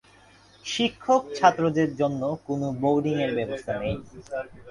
শিক্ষক -ছাত্রদের জন্য কোন বোর্ডিং এর ব্যবস্থা নেই।